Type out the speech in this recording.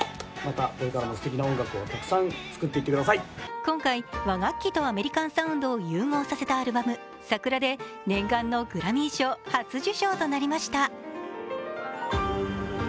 今回和楽器とアメリカンサウンドを融合させたアルバム「ＳＡＫＵＲＡ」で念願のグラミー賞初受賞となりました。